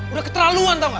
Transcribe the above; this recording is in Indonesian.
udah keterlaluan tau gak